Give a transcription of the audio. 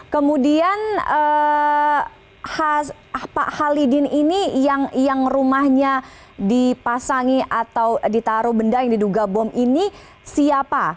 kemudian pak halidin ini yang rumahnya dipasangi atau ditaruh benda yang diduga bom ini siapa